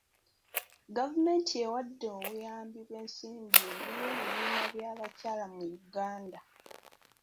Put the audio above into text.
Gavumenti ewadde obuyambi bw'ensimbi eri ebibiina by'abakyala mu Uganda.